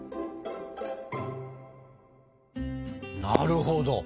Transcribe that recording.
なるほど。